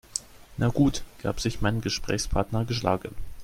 Na gut, gab sich mein Gesprächspartner geschlagen.